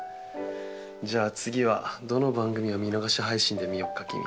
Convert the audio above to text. じゃあ次はどの番組を見逃し配信で見よっかキミ。